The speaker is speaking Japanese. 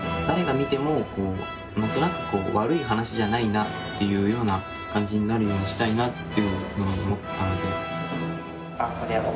誰が見ても何となく悪い話じゃないなっていうような感じになるようにしたいなっていうふうに思ったので。